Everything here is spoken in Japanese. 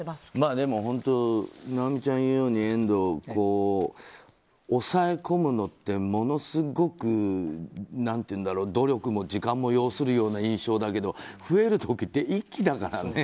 でも、遠藤尚美ちゃんが言うように抑え込むのってものすごく努力も時間も要するような印象だけど増える時って一気だからね。